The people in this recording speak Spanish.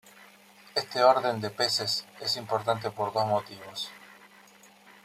Este orden de peces es importante por dos motivos.